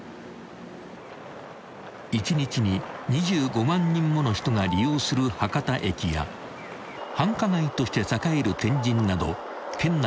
［一日に２５万人もの人が利用する博多駅や繁華街として栄える天神など県内